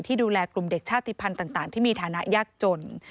ดูแลกลุ่มเด็กชาติภัณฑ์ต่างที่มีฐานะยากจน